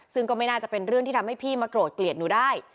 ซึ่งก็ไม่น่าจะเป็นเรื่องที่ทำให้พี่มาโกรธเกลียดหนูได้